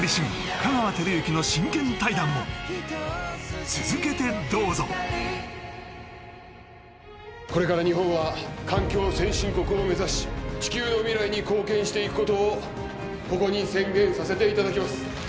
香川照之の真剣対談も続けてどうぞこれから日本は環境先進国を目指し地球の未来に貢献していくことをここに宣言させていただきます